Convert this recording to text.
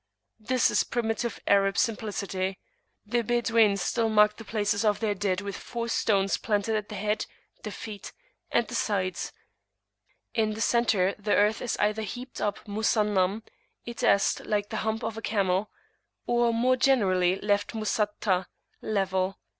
This is primitive Arab simplicity. The Badawin still mark the places of their dead with four stones planted at the head, the feet, and the sides; in the centre the earth is either heaped up Musannam (i.e. like the hump of a camel), or more generally left Musattah (level).